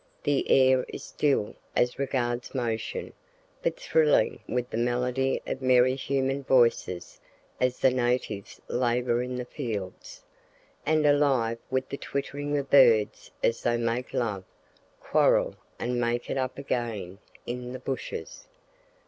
The air is still as regards motion, but thrilling with the melody of merry human voices as the natives labour in the fields, and alive with the twittering of birds as they make love, quarrel, and make it up again in the bushes.